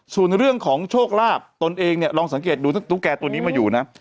ส่วนเรื่องของโชคลาภตนเองเนี่ยลองสังเกตดูถ้าตุ๊กแก่ตัวนี้มาอยู่นะ